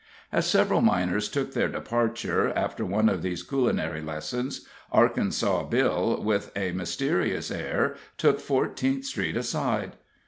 As several miners took their departure, after one of these culinary lessons, Arkansas Bill, with a mysterious air, took Fourteenth Street aside.